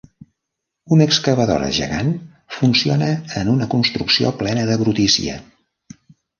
Una excavadora gegant funciona en una construcció plena de brutícia.